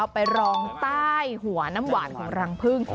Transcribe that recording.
ไปรองใต้หัวน้ำหวานของรังพึ่ง